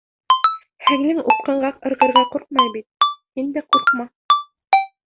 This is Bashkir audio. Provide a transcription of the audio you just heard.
Һеңлең упҡынға ырғырға ҡурҡмай бит, һин дә ҡурҡма!